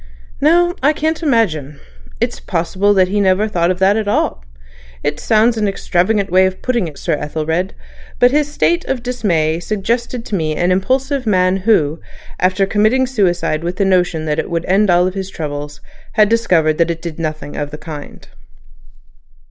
... "No, I can't imagine. It's possible that he never thought of that at all. It sounds an extravagant way of putting it, Sir Ethelred, but his state of dismay suggested to me an impulsive man who, after committing suicide with the notion that it would end all his troubles, had discovered that it did nothing of the kind."